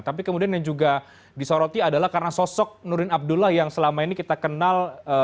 tapi kemudian yang juga disoroti adalah karena sosok nurdin abdullah yang selama ini kita kenal